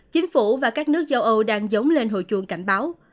chính phủ và các nước châu âu đang giống lên hồi chuồng cảnh báo